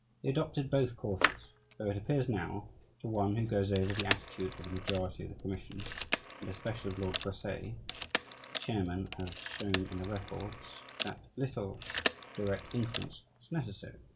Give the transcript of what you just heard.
They adopted both courses; though it appears now, to one who goes over the attitude of the majority of the commission and especially of Lord Brassey, the chairman, as shown in the records, that little direct influence was necessary.